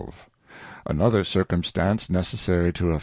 Another Circumstance necessary to z.